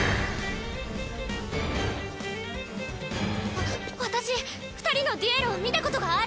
あっ私２人のデュエルを見たことがある！